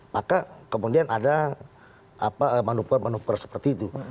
maka kemudian ada manupur manuver seperti itu